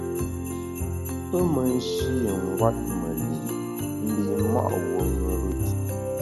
Pe me nshî ngwet me li’ mbi’ ma’ wuo ṅùrùt.